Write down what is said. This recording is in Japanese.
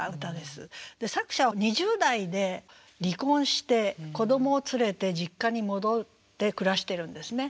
作者は２０代で離婚して子どもを連れて実家に戻って暮らしてるんですね。